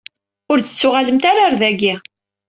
Ur d-tettuɣalemt ara ɣer dagi.